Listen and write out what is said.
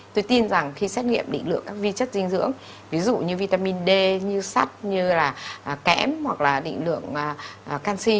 tôi tin rằng khi xét nghiệm định lượng các vi chất dinh dưỡng ví dụ như vitamin d như sắt như là kẽm hoặc là định lượng canxi